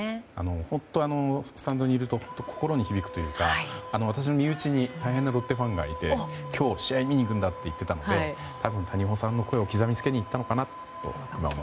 本当、スタンドにいると心に響くというか私の身内に大変なロッテファンがいて今日、試合見に行くんだって言ってたので多分、谷保さんの声を刻み付けに行ったのかなと。